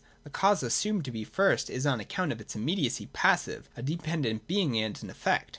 The cause assumed to be first is on account of its immediacy passive, a dependent being, and an effect.